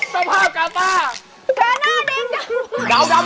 ไม่มันไม่แตกสักทีอ่ะเดี๋ยวก่อน